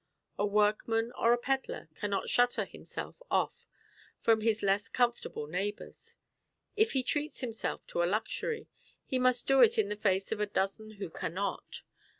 A workman or a pedlar cannot shutter himself off from his less comfortable neighbours. If he treats himself to a luxury, he must do it in the face of a dozen who cannot.